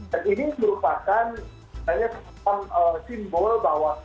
dan ini merupakan makanya sebuah simbol bahwa